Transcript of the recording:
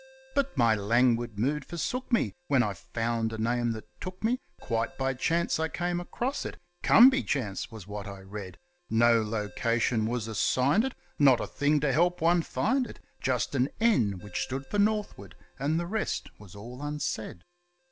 But my languid mood forsook me, when I found a name that took me, Quite by chance I came across it 'Come by Chance' was what I read; No location was assigned it, not a thing to help one find it, Just an N which stood for northward, and the rest was all unsaid.